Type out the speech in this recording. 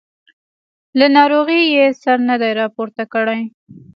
له ناروغۍ یې سر نه دی راپورته کړی.